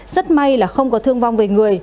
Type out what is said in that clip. rất may là không có thương vong về người